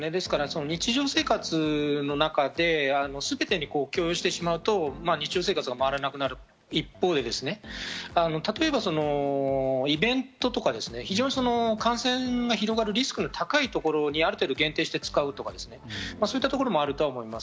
日常生活の中で全てに強要してしまうと、日常生活が回らなくなる一方で、例えば、イベントとか感染が広がるリスクが高いところにある程度限定して使うとか、そういったところもあると思います。